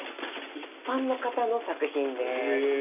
一般の方の作品です。